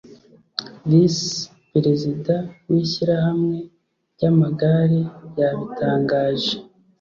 vice perezida w’ishyirahamwe ry’amagare yabitangaje